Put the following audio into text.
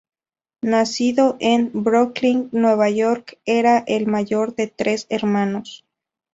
Nacido en Brooklyn, Nueva York, era el mayor de tres hermanos.